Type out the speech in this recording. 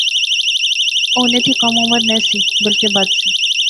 او انیں تھی کم عمر نہسی بلکہ بدھ سی